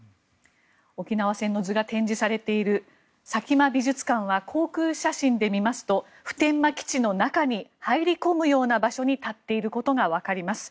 「沖縄戦の図」が展示されている佐喜眞美術館は航空写真で見ますと普天間基地の中に入り込むような場所に立っていることが分かります。